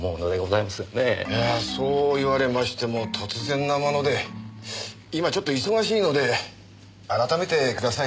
いやそう言われましても突然なもので今ちょっと忙しいので改めてください。